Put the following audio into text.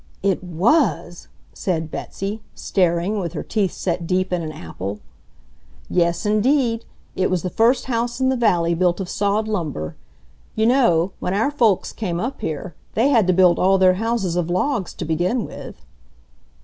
"It WAS!" said Betsy, staring, with her teeth set deep in an apple. "Yes, indeed. It was the first house in the valley built of sawed lumber. You know, when our folks came up here, they had to build all their houses of logs to begin with."